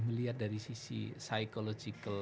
melihat dari sisi psychological